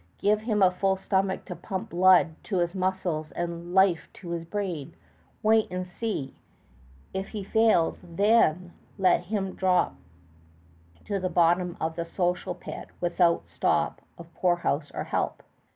Give him a full stomach to pump blood to his muscles and life to his brain! Wait and see! If he fails then, let him drop to the bottom of the social pit without stop of poorhouse or help!"